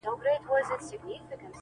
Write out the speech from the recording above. • په دولت او مال یې ډېر وو نازولی,